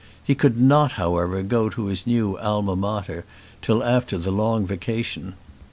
He could not however go to his new Alma Mater till after the long vacation.